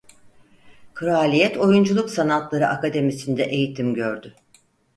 Kraliyet Oyunculuk Sanatları Akademisi'nde eğitim gördü.